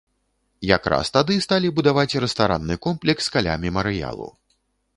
Якраз тады сталі будаваць рэстаранны комплекс каля мемарыялу.